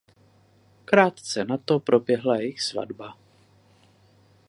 Krátce na to proběhla jejich svatba.